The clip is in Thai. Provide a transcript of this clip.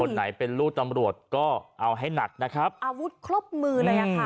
ไหนเป็นลูกตำรวจก็เอาให้หนักนะครับอาวุธครบมือเลยอ่ะค่ะ